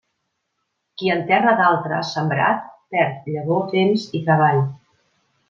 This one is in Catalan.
Qui en terra d'altre ha sembrat, perd llavor, temps i treball.